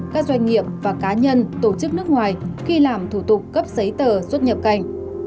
các doanh nghiệp và cá nhân tổ chức nước ngoài khi làm thủ tục cấp giấy tờ xuất nhập cảnh